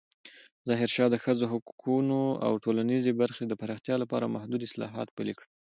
ظاهرشاه د ښځو حقونو او ټولنیزې برخې د پراختیا لپاره محدود اصلاحات پلې کړل.